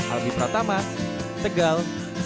almi pratama tegal